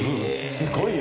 すごいよね。